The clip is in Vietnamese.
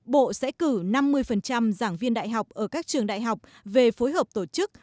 bộ sẽ cử năm mươi giảng viên đại học ở các trường đại học về phối hợp tổ chức